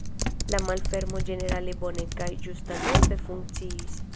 La malfermo ĝenerale bone kaj ĝustatempe funkciis.